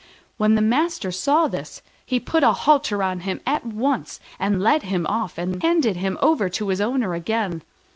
When the master saw this he put a halter on him at once, and led him off and handed him over to his owner again.